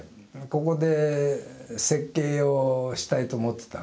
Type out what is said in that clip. ここで設計をしたいと思ってたの。